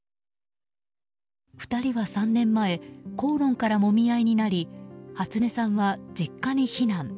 ２人は３年前口論からもみ合いになり初音さんは実家に避難。